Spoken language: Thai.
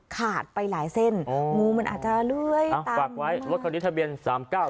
ขาดไปหลายเส้นเอองูมันอาจจะเลื่อยอ้าวฝากไว้รถคันนี้ทะเบียนสามเก้า